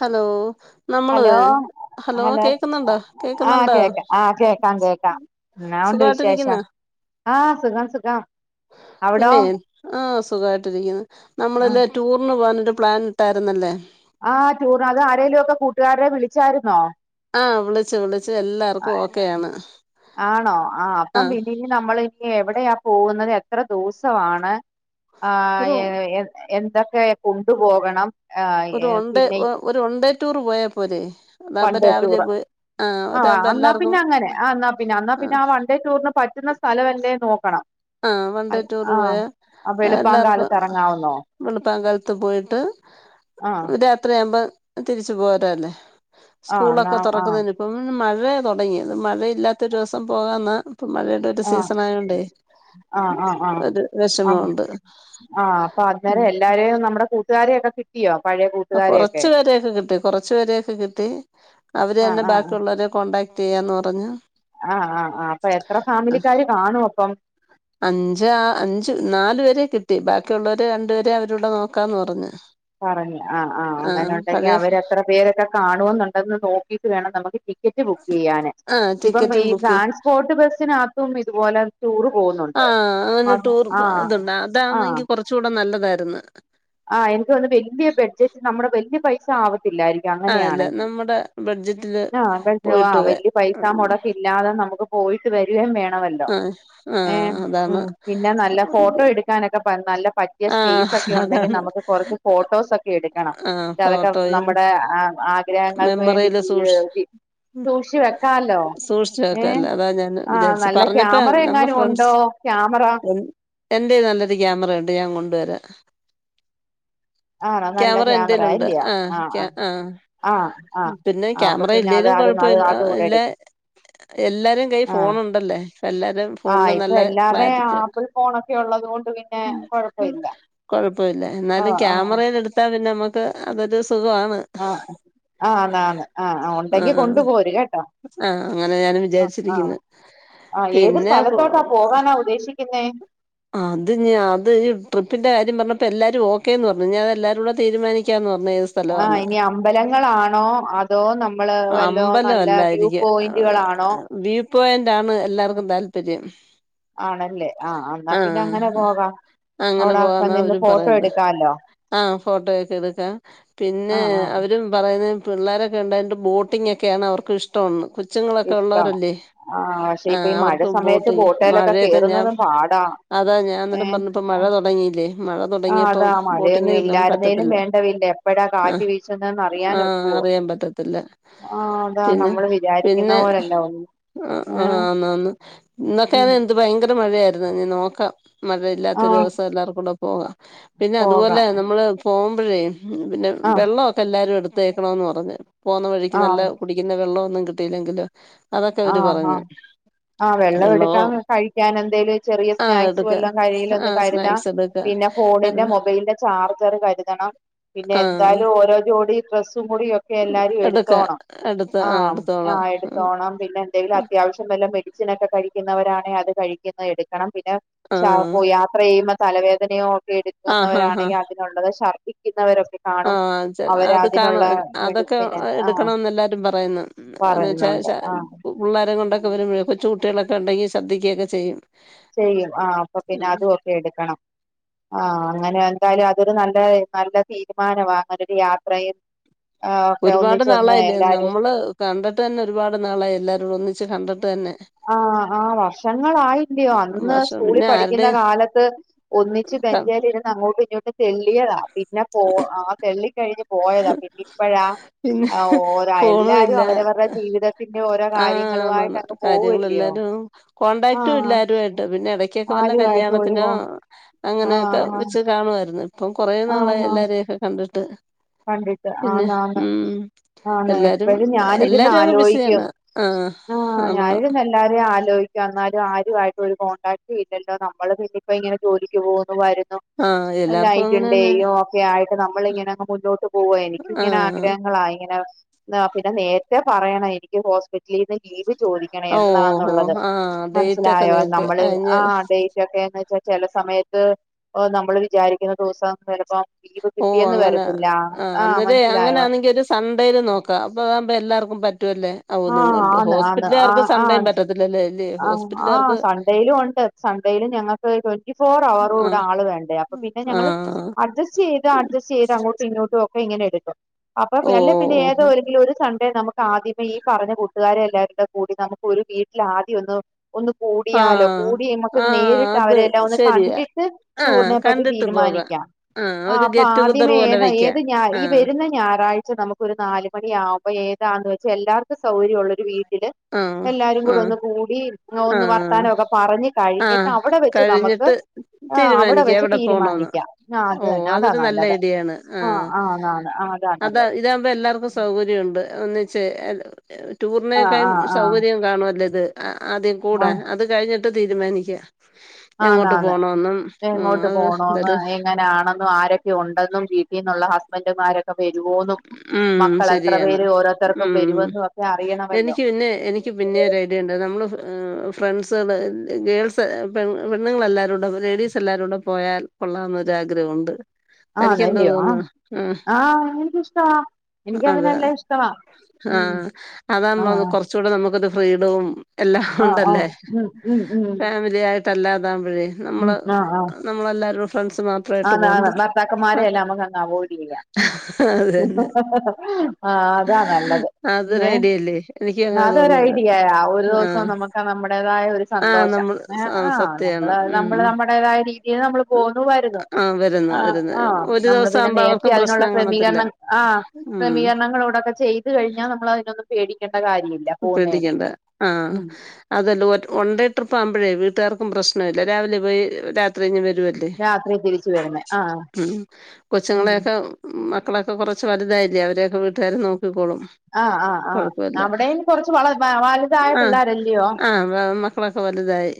Hello നമ്മള് hello hello കേക്കുന്നുണ്ടൊ ആഹ് കേക്കുന്നുണ്ടോ കേക്കാം ആഹ് കേക്കാം കേക്കാം എന്നാ ഉണ്ട് വിശേഷം സുഖായിട്ടിരിക്കുന്നോ ആഹ് സുഖം സുഖം അവിടോ പിന്നെ ആ സ് സുഖായിട്ടിരിക്ക്ണ് നമ്മള് ല്ലേ ടൂറിന് പോവാന് ട്ട് പ്ലാൻ ഇട്ടായിരുന്നല്ലേ ആ ടൂർന് അത് ആരേലും ഒക്കെ കൂട്ടുകാരെ വിളിച്ചാരുന്നോ ആ വിളിച്ച് വിളിച് ആണോ ആ അപ്പം ആഹ് പിന്നെ ഇനി നമ്മള് ഇനി എവട് എവിടെയാ പോകുന്നത് എത്ര ദോസവാണ്? ആഹ് ഒരു എ എൻ എൻ തൊക്കെ കൊണ്ടു പോകണം ഒരു വൺ ഡേ ഒരു ഒൺ ഡേ ടൂർ പോയ പോ പോരേ വൺഡേ ടൂറ് ആ അതാകുമ്പോ എന്നാ എല്ലാർക്കും പിന്നെ അങ്ങനെ ആ എന്നാ പിന്നെ എന്നാ ആഹ് പിന്നെ ആ വൺ ഡേ ടൂറിന് പറ്റുന്ന സ്ഥലവല്ലേ നോക്കണം ആ വൺഡേ ടൂറ് പോയാ ആഹ് വെളുപ്പാൻ എല്ലാർക്കും കാലത്ത് ഇറങ്ങാവുന്നോ വെളുപ്പാൻ കാലത്ത് പോയിട്ട് ആഹ് രാത്രി ആവ് മ്പം തിരിച്ചു പോരാല്ലേ ആഹ് ന സ്കൂളൊക്കെ ആഹ് തൊറക്കുന്നതിന് ഇപ്പം മഴ [unintelligible] തൊടങ്ങിയത് മഴയില്ലാത്തൊരൂസം പോകാന്നാ. ഇപ്പം മഴയുടെ ഒരു ആഹ് സീസൺ ആയോണ്ടേ. ആഹ് ആഹ് ആഹ് ഒരു ആഹ് വിഷമമുണ്ട് ആഹ് അപ്പൊ ഉം ആൾകാരെ എല്ലാരെയും നമ്മടെ കൂട്ടുകാര കാരെയൊക്കെ കിട്ടിയോ? പഴയ ആ കൂട്ടുകാരെയൊക്കെ കുറച്ചു പേരെയൊക്കെ കിട്ടി കൊറച്ചു പേരെയൊക്കെ കിട്ടി അവര് തന്നെ ബാക്കിയുള്ളവരെ കോണ്ടാക്ട് ചെയ്യാന്ന് പറഞ്ഞു ആ ആ ആ അപ്പൊ എത്ര ഫാമിലിക്കാര് കാണും അപ്പം അഞ്ചാ അഞ്ച്, നാലു പേരെ കിട്ടി. ബാക്കിയുള്ളോരെ രണ്ടുപേരെ അവരൂടെ നോക്കാന്ന് പറഞ്ഞ് പറഞ്ഞ് ആ ആ അങ്ങനെ ഉണ്ടെങ്കി അവരെത്ര പേരൊക്കെ കാണൂവെന്നുണ്ടങ്കി നോക് ക്കീട്ട് വേണം നമ്മക്ക് ടിക് ടിക്കറ്റ് ബുക്കെയ്യാന്. ആഹ് ഇപ്പം ടിക്കറ്റും ഈ ബുക്ക് ട്രാൻസ്പോർട്ട് ബസ്സിനാത് തും ഇത്പോലെ ആ അങ്ങനെ ടൂർ ആഹ് ത്ണ്ട്. അതാണെങ്കി കൊറച്ചൂടെ നല്ല തായ്ര്ന്ന്. ആ എനിക്ക് തോന്നുന്ന വല്ല്യ ബെഡ്ജറ്റ് നമ്മുടെ വെല്ല്യ പൈ സാവത് ത്തില്ലായിരിക്കും. ആഹ് അല്ല അങ്ങനെയാണെങ്കി നമ്മുടെ ബഡ്ജറ്റില് ആ പോയിട്ട് വെല്ല്യ പൈസ വ മൊടക്കില്ലാതെ നമ്മുക്ക് പോയിട്ട് വരേം വേണ ണല്ലോ. ആഹ് ഏ ആഹ് അതാണ് പിന്നെ നല്ല ഫോട്ടോ എടുക്കാനോക്കെ [unintelligible] പറ്റിയ ആഹ് സയ്സ് ഒക്കെ ഉണ്ട് ണ്ടെങ്കി അതാണ് നമക്ക് കൊറച്ച് ഫോട്ടോസൊക്കെ എടുക്കണം ആഹ് അതൊക്കെ ഫോട്ടോയും നമ്മുടെ ആ ആഗ്രഹങ്ങൾക്ക് വേണ്ടി മെമ്മറിയില് സൂക്ഷി [unintelligible] സൂക്ഷിച്ചു വെക്കാലോ സൂക്ഷിച്ച് ഏ വെക്കല്ലേ അതാ ഞാൻ ആഹ് വിചാരിച്ചെ നല്ല പറഞ്ഞപ്പോ ക്യാമറ എങ്ങാനും ഉണ്ടോ ക്യാമറ എന്റെ നല്ലൊരു ക്യാമറയു ണ്ട് ഞാൻ കൊണ്ടുവരാ ക്യാമറ എൻ്റെലുണ്ട് ആഹ് ക്യാ ആഹ് ആഹ് ആഹ് പിന്നെ ആഹ് അപ്പൊ ക്യാമറ പിന്നെ അത് ഇല്ലേലും അത് അത് കൊഴപ്പയില്ല അതുകൂടെ ഇല്ല എടുക്കും എല്ലാരും കയ് ആഹ് ഫോണുണ്ടല്ലേ എല്ലാരും ആഹ് ഫോണിന് ഇപ്പൊ നല്ല എല്ലാതെ ക്ലാരിറ്റി ആപ്പിൾ ഫോണൊക്കെ ഉള്ളത് കൊണ്ട് പിന്നെ ഉം കൊഴപ്പമില്ല കൊഴപ്പല്ല എന്നാലും ആഹ് ക്യാമ ആഹ് കുറെ എണ്ണട്ത്താ പിന്നെ നമ്മ ത് അതത് സ് ആഹ് ആന്ന് ആന്ന് ആഹ് ആഹ് ഉണ്ടെങ്കി കൊണ്ട് പോര് കേട്ടോ ആഹ് അങ്ങനെ ഞാനും ആഹ് ആഹ് വിചാരിച്ചിരിക്കുന്നു ആഹ് ഏത് പിന്നെ സ്ഥലത്തോട്ടാ പോകാനാ ഉദ്ദേശിക്ക്ന്നേ? ഇ ട്രിപ്പിന്റെ കാര്യം പറഞ്ഞപ്പോ എല്ലാരും ഓക്കേന്ന് പറഞ്ഞു ഇഞ് അഅ് എല്ലാരൂടെ തീരുമാനിക്കാന്ന് പർ ആഹ് ഇനി അമ്പലങ്ങളാണോ അതോ നമ്മള് വല്ലോം അമ്പലം നല്ല വ്യൂ പോയിന്റുകളാണോ? പോയ ൻ്റാണ് എല്ലാർക്കും താല്പര്യം ആണല്ലേ എന്നാ ആഹ് പിന്നെ അങ്ങനെ ആഹ് പോകാം അങ്ങനെ അവിടൊക്കെ പോവാന്ന നിന്ന് അവരും ഫോട്ടോ പറയുന്നത് എടുക്കാല്ലോ ആഹ് ഫോട്ടോയൊക്കെ എടുക്കാം പിന്നെ ആഹ് ആഹ് അവരും പറയുന്നേ പിള്ളേരൊക്കെ ണ്ടായിട്ട് ബോട്ടിംഗെക്കെയാണ് അവർക്ക് ഇഷ്ടോന്ന് ഇഷ്ട ആ പക്ഷെ ഇപ്പൊ ആഹ് ഈ മഴ അവർക്ക് സമയത്ത് ബോട്ടിംഗ് ബോട്ടേലൊക്കെ മഴയത്ത് കേയറുന്നതും പാടാ ഏ ഇപ്പം മഴ തൊടങ്ങിയില്ലെ? മഴ തൊടങ്ങിയെപ്പം മഴയൊന്നും ബോട്ടിങ്ങൊന്നും ഇല്ലായിരുന്നേലും പറ്റത്തില്ല വേണ്ടവില്ല എപ്പഴാ ആഹ് കാറ്റ് വീശുന്നേന്ന് അറിയാൻ ആഹ് ഒക്കുവോ അറിയാൻ പറ്റത്തില്ല ആഹ് അതാ പിന്നെ നമ്മള് വിചാരിക്കുന്ന പിന്നെ പോലല്ല ഒന്നും ആഹ് ആഹ് ഏഹ് ആന്ന് ആന്ന് ഇന്നൊക്കെയാണ് എന്ത് ഭയങ്കര മഴയായ്ര്ന്ന്. എന്നാ ഇഞ് നോക്കാം മറ്റെ ത്ത് ഒര് ആഹ് ദുവ്സം എല്ലാർക്കും കൂടെ പോകാം പിന്നെ അതുപോലെ പോകാം നമ്മെൾ പോ പ്പഴെ ഉം പിന്നെ ആഹ് വെള്ള ഒക്കെ എല്ലാരും എട് ത്തെക്കണോന്ന് പറഞ്ഞ് പോവുന്ന വഴിക്ക് നല്ല ആഹ് കുടിക്കുന്ന വെള്ളം ഒന്നും കിട്ടിയില്ലെങ്കിലോ? ആഹ് ആഹ് ആഹ് വെള്ളം വെള്ളമോ എടുക്കാം കഴിക്കാൻ എന്തെലും ചെറിയ ആഹ് സ്നാക്സ് എടുക്ക വല്ലൊം കഴിയിൽ ന്തെലും ഒന്ന് ആഹ് കരുതാം സ്നാക്സ് എടുക്ക പിന്നെ ഫോണിന്റെ വരുന്ന മൊബൈലിന്റെ ചാർജെർ കരുതെണം പിന്നെ ആഹ് എന്തായാലും ഓരോ ജോഡി ഡ്രസും കൂടി ക്കെ എല്ലാരും എടുക്കാ എട്ത്തോണം എടുത്ത് ആ ആഹ് എടുത്തോളാം ആഹ് എട്ത്തോണം പിന്നെ എന്തെങ്കിലും അത്യവശ്യം വല്ല മെഡിസിനൊക്കെ കഴി ക്കിന്നവരാണെ അത് കഴിക്കിന്നെ എട്ക്കെണം പിന്നെ ആ ചാ പോയി യാത്ര ചെയ്യുമ്പം തലവേദനയോ ആ ഹാ എടുക്കുന്നവരാണെങ്കി അതിനുള്ളത് ശർദ്ദിക്കുന്നവരൊക്കെ ആഹ് അഹ് ചെ അത് കാണ അതൊക്കെ മെഡിസിന് ആ എട്ക്കണംന്ന് എല്ലാരും പ ഇന്നും ഇന്ന് വച്ചാ പറയുന്നുണ്ട് ച ആ പുള്ളാരെം കൊണ്ടൊക്കെ വരുമ്പോഴ കൊച്ച് കുട്ടി കുട്ട്യേളൊക്കെ ഇണ്ടെങ്കി ശ്രദ്ധിക്ക്യെക്കെ ചെയ്യും ചെയ്യും ആഹ് അപ്പൊ പിന്നെ ഉം അതും ഒക്കെ എട്ക്കണം ആഹ് അങ്ങനെ ഏതായാലും അതൊരു നല്ല നല്ല തീരുമാനമാ അങ്ങനൊരു യാത്രയും ഒക്കെ ഒരുപാട് ഒന്നിച്ചൊന്ന് നാളായില്ലേ എല്ലാരും നമ്മള് കണ്ടട്ട് തന്നെ ഒരുപാട് നാളായി എല്ലാരോടും ഒന്നിച്ച് ച്ച് കണ്ടിട്ട് തന്നെ ആഹ് ആഹ് വർഷങ്ങളായില്ലയോ അന്ന് വർഷം സ്കൂളി പിന്നെ പഠിക്കുന്ന ആരുടെയും കാലത്ത് ഒന്നിച്ച് ക പ്പെഞ്ചെയ് ചെയ്ണ് [unintelligible] അങ്ങോട്ടും ഇങ്ങോട്ടും തെള്ളിയതാ പിന്നെ പോ ആഹ് തെള്ളിപ് കഴിഞ്ഞ് പോയതാ പിന്നിം ഇപ്പഴാ പിന്നെ ഓഹ് ര യൽ ഫോണും എല്ലാരും ഇല്ല അവരവരുടെ ജീവിതത്തിന്റെ ഓരോ ആഹ് കാര്യങ്ങളുവായിട്ട് ആന്നാന്ന് അങ്ങ് പോവല്ലയോ കാര്യങ്ങളെല്ലാരും ആ കോടാക്റ്റും ഇല്ല ആരുമായിട്ട് പിന്നെ ഇടക്കൊക്കെ വല്ല ആരുമായിട്ടും ഒരു കല്യാണത്തിനോ കോ ആഹ് അങ്ങനെയൊക്കെ ആഹ് വെച്ച് കാണു ഇപ്പം കൊറേ നാളായി എല്ലാരരെയും ഒക്കെ കണ്ടിട്ട് ഹ് ണ്ടിണ്ടാ ആ നാ ആ എല്ലാരും എപ്പോഴും ഞാനിരുന്ന് എല്ലാരും അങ്ങ് ആലോചിക്കും ബിസിയാണ് ആഹ് ആ ആണോ ഞാനിരുന്ന് എല്ലാരെയും ആലോചി ാലും ആരുുംമായിയിട്ട് ഒരു കോൺടാക്ട് ഇല്ലല്ലോ നമ്മള് പിന്നെ ഇപ്പോ ഇങ്ങനെ ജോലിക്ക് പോകുന്നു വരു ആഹ് എല്ലാർക്കും അങ്ങനെ തന്നെ നയിട്ടുണ്ട്യോ ഒക്കെ ആയിട്ട് നമ്മളിങ്ങനെ പോകുമേ എനിക്കും ഇങ്ങനെ ആഹ് ആഗ്രഹങ്ങള ഇങ്ങനെ പിന്നെ നേ ക്കെയ പറയണെ എനിക്ക് ഹോസ്പിറ്റലിൽന്ന് ലീവ് ചോദിക്കണെ ഓഹോ എന്നാന്നുള്ളത് ആഹ് ഡേറ്റ് ഒക്കെ മനസ്സിലായോ നേരത്തെ നമ്മള് അയിഞ്ഞ് ആ ഡേ റ്റൊക്കെ എന്ന് വച്ചാ ചില സമയത്ത് ഓ നമ്മള് വിചാരിക്കുന്ന ദിവസം [unintelligible] പ്പം ലീവ് കിട്ടിയന്ന് വര ആഹ അന്നേരേ അങ്ങനൊണെങ്കി ഒരു സൺഡേയില് നോക്കാം അപ്പൊ ടെ എല്ലാർക്കും പ ആഹ ആന്ന് ആന്ന് ആ ആ സൺഡേയും പറ്റത്തില്ലല്ലേ അല്ലേ ആ ആ ഹോസ്പിറ്റലുകാർക്ക് സൺഡേയിലും ഉണ്ട് സൺഡേയിലും ഞങ്ങൾക്ക് ട്വൻ്റി ചോർ അവർറ് കൂടെ ആഹ് ആൾ വേണ്ടേ അപ്പൊ പിന്നെ ഞങ്ങൾ ആഹ് അഡ്ജസ്റ്റ് ചെയ്ത് അഡ്ജസ്റ്റ് ചെയ്ത് അങ്ങോട്ടും ഇങ്ങോട്ടും പ്പം ഇങ്ങനെ എടുക്കും അപ്പൊ അല്ലേ പിന്നെ ഓഹ് ഏതോരിങ്കിലും ഒരു സൺ നമുക്ക് ആദ്യം ഇപ്പ ഈ പറഞ്ഞ കൂട്ടുകാരെ എല്ലാവരുടെ കൂടി നമുക്ക് ഒരു വീട്ടില് ആദ്യം ഒന്ന് ഒന്ന് കൂടിയാലോ ആഹ് കൂടി നമുക്ക് ആഹ് നേരിട്ട് അത് അവരെ എല്ലാം ഒന്ന് ശരിയാ കണ്ടിട്ട് ആഹ് ടൂറിനെ പറ്റി കണ്ടിട്ട് പോകാം തീരുമാനിക്കാം ആഹ് ആ ഒരു അപ്പൊ ഗെറ്റ് ടുഗദർ ആദ്യമേ പോലെ ഏത വെക്കാം ഏത് ഈ ആഹ് വരുന്ന ഞായറാഴ്ച നമുക്ക് ഒരു നാല് മണിയാവുമ്പോ ഏ [unintelligible] ക്ഷെ എല്ലാർക്കും സൗകര്യം ഉള്ള ഒരു വീ ട് ആഹ് എല്ലാരും കൂടെ ആഹ് ഒന്ന് കൂടി ഒന്ന് ആഹ് വർത്താനോക്കെ പറഞ്ഞു കഴിഞ്ഞിട്ട് ആഹ് അവിടെ വെച്ച് നമുക്ക് കഴിഞ്ഞിട്ട് ആ അവിടെ തീരുമാനിക്കാം വെച്ച് എവിടെ പോണോന്ന് തീരുമാനിക്കാം ആ അത് ഓഹ് തന്നെ അതാ അതൊരു നല്ല നല്ലത് ഐഡിയാണ് ആ ആഹ് ആതാണ് അതാ നല്ലത് ഇതാകുമ്പോ എല്ലാർക്കും സൗകര്യമുണ്ട് ഒന്നിച്ച് ആഹ് ടൂറിനെക്കയിം ആഹ് [unintelligible] ആഹ് സൗകര്യവും കാണുമല്ലത് ആ ആദ്യം കൂടാൻ ആഹ് അത് കഴിഞ്ഞിട്ട് തീരുമാനിക്കാം എങ്ങോട്ട് ആന്നാന്ന് പോണോന്നും ഉം എങ്ങോട്ട് പോണോന്ന് അത് എങ്ങനാണെന്നും ആരൊക്കെ ഉണ്ടെന്നും [unintelligible] [unintelligible] ഉം മക്കൾ എത്ര ശരിയാണ് പേര് ഓരോരുത്തർക്കും ഉം വരുമെന്നും ഒക്കെ അറിയണമല്ലോ എനിക്ക് പിന്നെ എനിക്ക് പിന്നെ ഒരു ഐഡിയ ഉണ്ടായിരുന്നു നമ്മള് ഫ്രണ്ട്സുകള് ഗേൾസ് പെ പെണ്ണുങ്ങളൾെല്ലാവരും കൂടെ ലേഡീസ് എല്ലാവരും കൂടെ പോയാൽ കൊള്ളാമെന്നൊരുരാഗ്രഹമുണ്ട് ആണല്ല്യോ ആഹ് ആഹ് എനിക്കിഷ്ടാ അതെ ഉം ആഹ് അതന്നത് ആഹ് കുറച്ചുകൂടെ നമുക്കത് വീടും എല്ലാം ആഹ് ഉണ്ടല്ലേ ഓഹ് ഉം ഉം ഉം ഫാമിലി ആയി തല്ലാത ല്ലേ നമ്മള് നമ്മളെല്ലാവരും അണാന്ന് എന്നാൽ പാക്കന്മാരെയെല്ലാം നമുക്കങ്ങ് അവോയ്ഡ് ചെയ്യാം അത് തന്നെ ആഹ് അതാ നല്ലത് അതൊരു പിന്നെ ഐഡിയല്ലേ എനിക്ക് അങ്ങനെ അതൊരു തോന്നിയത് ഐഡിയയാ ഒരു ദിവസം ആഹ് നമുക്ക് നമ്മുടേതായ ഒരു ആഹ് സന്തോഷം നമ്മൾ ആഹ് സത്യമാണ് നമ്മള് നമ്മള് ഉം നമ്മുടേതായ രീതിയിൽ നമ്മൾ പോവുന്നു വരുന്നു ആഹ് വരുന്നു ആഹ് വരുന്നു ആഹ് ഒരു നമ്മള് ദിവസം പിന്നെ ആവുമ്പോ നേരത്തെ അവർക്കും അതിനുള്ള പ്രശ്നം കാണത്തില്ല. ക്രമീകരണം ആഹ് ഉം ക്രമീകരണങ്ങളോടൊക്കെ ചെയ്ത് കഴിഞ്ഞാൽ നമ്മൾ അതിയൊന്നും. പേടിക്കണ്ട പേടിക്കേണ്ട ആഹ് ഉം അതല്ല ഒ ഓനെഡേ ട്രിപ്പ്‌ ആക്കുപ്പോഴേ വീട്ടുകാർക്ക്. പ്രശ്നയില്ല രാവിലെ പോയി രാ യാത്ര കഴിഞ്ഞു വരുവല്ലേ രാത്രി തിരിച്ചു വരുന്നെ ആഹ് ഉം ഉം കൊച്ചുങ്ങളെയൊക്കെ മ മക്കളൊക്കെ കൊറച്ചു വലുതായില്ല അവരെയൊക്കെ വീട്ടുകാരെ നോ ആഹ് ആഹ് ആഹ് അവിടെയും കൊറ [unintelligible] വലുതായ ആഹ് പിള്ളേരല്ലയോ. മക്കളൊക്കെ വലുതായി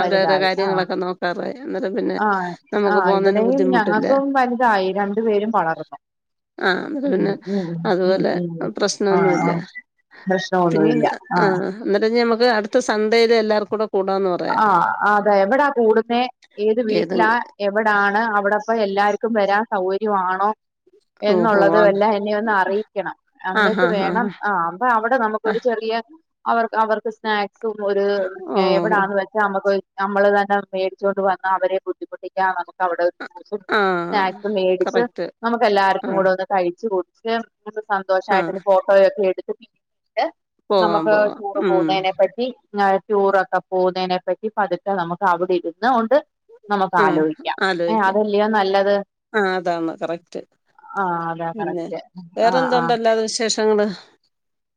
അവരവരുടെ വലുതായി ആഹ് കാര്യങ്ങളൊക്കെ നോക്കാറായി എന്നാരും പിന്നെ ആഹ് നമ്മുക്ക് ആഹ് പോന്നിന് ഇവിടെയും ബുദ്ധിമുട്ടില്ല ഞങ്ങൾക്കും വലുതായി രണ്ടു പേരും വളർന്നു ആഹ് ഉം പിന്നെ ഉം അതുപോലെ പ്രശ്നം ഒന്നുമില്ല. പ്രശ്നമൊന്നുമല്ല ആഹ് കാര്യം നമുക്ക് അടുത്ത സൺ‌ഡേ എല്ലാവർക്കൂ. ആഹ് അതാ എവിടാ കൂടുന്ന ഏത് വീട്ടിലാ എവിടാണ് അവിടുന്ന് എല്ലാർക്കും വരാൻ. സൗകര്യമാണോ എന്നുള്ളത ഓഹോ എന്നുള്ളത് എല്ലാം എല്ലാം എന്നെ ഒന്ന് അറിയിക്കണം ആഹ് ആഹ് എന്നിട്ട് ആഹ് വേണം ആഹ് ആഹ അപ്പൊ അവിടെ നമുക്കരു ആഹ് ചെറിയ അവർക്ക് അവർക്ക് സ്നാക്ക്സ്. [unintelligible] ഓഹ് എവിടാന്ന് വെച്ചാ നമുക്ക് ഒരു. നമ്മള് തന്നെ മേടിച്ചുകൊണ്ട് വന്ന അവരെ ബുദ്ധിമുട്ടിക്കാതെ. അവിടെ ജ്യൂസും ആഹ് സ്‌നേക്കസും മേടിച്ച് കറക്റ്റ് നമുക്ക് എല്ലാവർക്കും ആഹ് കൂടെ ഒന്ന് കഴിച്ച്. [unintelligible] നമുക്ക് ആഹ് സന്തോഷമായിട്ട് ഫോട്ടോയൊക്കെ എടുത്ത്. ട്ട് പോകാം നമുക്ക് പോകാം ടൂറ് ഉം പോകുന്നതിനെ പറ്റി. നല്ല ടൂർ ഒക്കെ. പോകുന്നതിനെ പറ്റി പതുക്കെ നമുക്ക് അവിടെ ഇരുന്ന കൊണ്ട്. നമുക്ക് ഉം ആലോചിക്കാം ഏ ആലോചിക്കാം, അതല്ലയോ നല്ലത് ആഹ് അതാണ് കറക്റ്റ് ആ അതാ പിന്നെ കറക്റ്റ് ആ വേറെന്ത് ആ ഉണ്ട് അല്ലാതെ വിശേഷങ്ങളെ.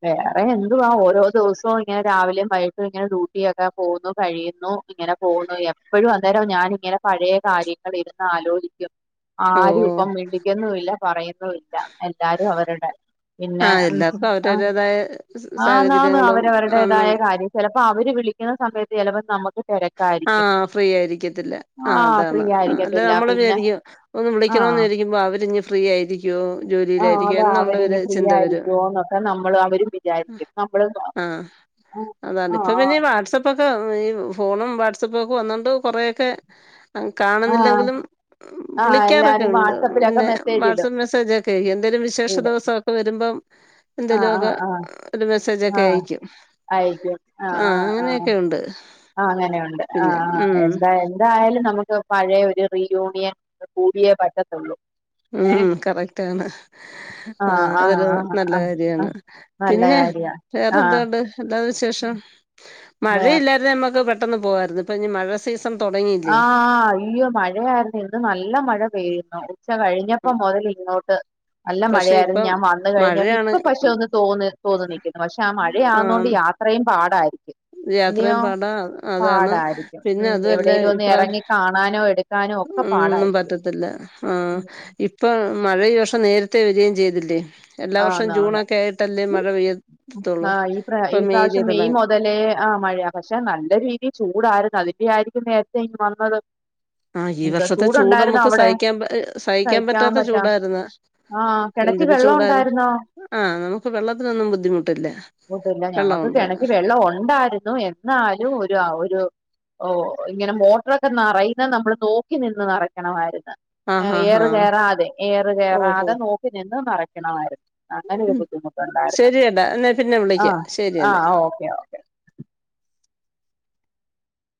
വേറെ എന്തുവാ ഓരോ ദിവസവും ഇങ്ങനെ രാവിലെയും വൈകിട്ടും ഇങ്ങനെ ഡ്യൂട്ടിയൊക്കെ പോന്നു കഴിയുന്നു ഇങ്ങനെ പോകുന്നു എപ്പോഴും അന്നേരം ഞാനിങ്ങനെ പഴയ കാര്യങ്ങൾ ഇരുന്ന് ആലോചിക്കും. ആരും ഓഹ് ഇപ്പം മിണ്ടിക്കുന്നില്ല പറയുന്നുല്ല എല്ലാരും അവരുടെ, പിന്നെ. ആഹ് [unintelligible] ആണാണാണ് സാഹചര്യങ്ങളും അന്ന് അവരവരുടേതായ കാര്യം ചിലപ്പോ അവര്. വിളിക്കുന്ന സമയത്ത് ചിലപ്പോ നമുക്ക്. തിരക്കായിരിക്കും ആഹ ഫ്രീ ആയിരിക്കത്തില്ല ആ് ആഹ് അതാണ് ഫ്രീ അല്ല ആയിരിക്കത്തില്ല നമ്മള പിന്നെ വിചാരിക്ക ഒന്ന് വിളിക്കണന്ന്ചരിക്കുമ്പോ അവരി ഫ്രീ ആയിരിക്കുമോ ആ അതാ അവരിന് ഫ്രീ ആയിരിക്കുവോന്നൊക്കെ നമ്മൾ അവരും വിചാരിക്കും നമ്മള് ആഹ് ആഹ അതാണ് ആ ഇപ്പൊ പിന്നെ ഈ [unintelligible] ഫോണും വാട്സപ്പൊക്കെ വന്നോണ്ട് കുറെക്കെ ആഹ് കാണുന്നില്ലെങ്കിലും ആഹ് വിളിക്കാറൊക്കെ എല്ലാരും ഉണ്ട് വാട്സപ്പിലൊക്കെ പിന്നെ മെസ്സേജ് ഇടും വാട്സആപ്പ് മെസ്സേജ ഒക്കെ എന്തേിലും വിശേഷ ഇടും ദിവസമൊക്കെ വരുമ്പം എന്തെലുമ ആഹ് ആഹ് ഒക്കെ ആഹ് ഒരു മെസ്സേജൊക്കെ ആഹ് അയിക്കും അയക്കും ആഹ അങ്ങനെയൊക്കെ ഉണ്ട് അങ്ങനെയ ഉണ്ട് ആ പിന്നെ ആ ഉം എന്ത എന്തായ നമുക്ക് പഴയ ഒരു റീയൂണിയൻ കൂടിയേ പറ്റത്തുള്ളൂ ഉം ഏഹ് കറക്റ്റ്ാണ് ആ ആഹ് ആഹ് അതൊരു ആഹ് നല്ല ആഹ് കാര്യമാണ് ആഹ് നല്ല പിന്നെ കാര്യാ ആഹ് വേറെന്തുകണ്ട് എല്ലാ ശേഷം വേറെ മഴയില്ലാതെ നമുക്ക് പെട്ട പോായിരുന്നു ഇപ്പ ഇ മഴ സീ ആഹ അയ്യോ മഴയായിരുന്നു ഇന്ന് നല്ല മഴ പെയ ആ പക്ഷ കഴിഞ്ഞപ്പോ മുതൽ ഇങ്ങോട്ട് നല്ല പക്ഷെ മഴയായിരുന്നു ഇപ്പം ഞാൻ വന്ന കഴിഞ്ഞപ്പ മഴയാണ് ഇപ്പൊ പക്ഷെ ഒന്ന് തോന്ന തോന്നു നിൽക്കുന്നു പക്ഷെ ആ മഴയാവുന്നതുകൊണ്ട് ആഹ് യാത്രയും പാടായിരുന്നു യാത്രയും പാടാ അതാണ് പാടായിരിക്കും പിന്നെ ഉം അതല്ല എവിടേലും ഒന്ന് എറങ്ങി കാണാനോ എടുക്കാനോ ഒക്കെ ന്നും പാടായിരിക്കും പറ്റത്തില്ല ആ ഇപ്പ മഴഈ വർഷം നേരത്തെേ വരികയും ചെയ്തില്ലേ എല്ലാ വർഷം ആന്ന് ആന്ന് ജൂണൊക്കെ ആയിട്ടല്ലേ മഴ പെയ്യത്തുള്ളു ഇപ്പൊ മേയിലയ തുടങ്ങും കൂതലേ ആ മഴയ പക്ഷെ നല്ല രീതി ചൂടായിരുന്നു അതിന്റെറെ ആയിരിക്കും നേരത്തെ ഇനി വന്നത് ആഹ ഈ എന്താ വർഷത്തെ ചൂട് ചൂടുണ്ടായിരുന്നോ നമ്മുക്ക് അവിടെ സഹിക്കാൻ സഹിക്കാൻ പറ്റാത്ത ചൂടായിരുന്ന എന്തൊരു ചൂടായി ണ്ടായിരുന്നോ ബുദ്ധിമുട്ടില്ല ഞങ്ങക്ക് വെള്ളമുണ്ട് കിണക്കി വെള്ളം ഉണ്ടായിരുന്നു എന്നാലും ഒരു ഒരു ഓ ഇങ്ങനെ മോട്ടറൊക്കെ നിറയുന്ന നമ്മള് നോക്കി നിന്ന് നിറയ്ക്കണമായിരുന്നു ആഹ് ആഹ് ആഹ് ഏറുകയറാതെ ഓഹോ ഏറുകയറാതെ നോക്കി നിന്ന് പറ ണമായിരുന്നു അങ്ങനെരു ബുദ്ധിമുട്ടുണ്ടായിരുന്നു ശരിയടാ എന്നാ പിന്നെ ആഹ വിളിക്കാം ശരിയെന്നാ ആഹ ഓക്കെ ഓക്കെ